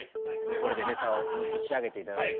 これでネタを仕上げていただいて。